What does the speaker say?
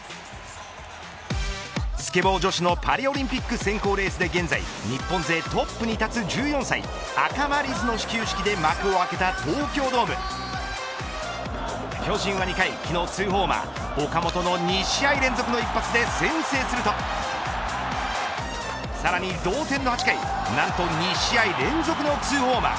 スケボー女子のパリオリンピック選考レースで現在、日本勢トップに立つ１４歳赤間凛音の始球式で幕を開けた東京ドーム巨人は２回、昨日２ホーマー岡本の２試合連続の一発で先制するとさらに同点の８回何と２試合連続の２ホーマー。